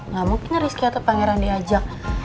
gak mungkin rizky atau pangeran diajak